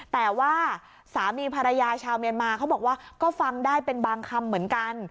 แต่ว่าสามีภรรยาชาวเมียนมาเขาบอกว่าก็ฟังได้เป็นบางคำเหมือนกัน